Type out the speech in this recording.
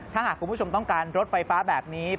ถ้าหากคุณผู้ชมต้องการรถไฟฟ้าแบบนี้